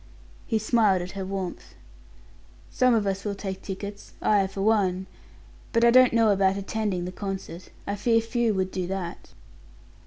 He smiled at her warmth. "Some of us will take tickets I, for one; but I don't know about attending the concert. I fear few would do that."